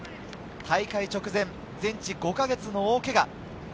大会直前、全治５か月の大けが。